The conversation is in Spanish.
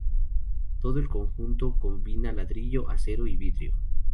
Todo el conjunto combina ladrillo, acero y vidrio.